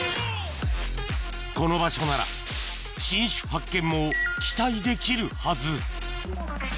この場所なら新種発見も期待できるはず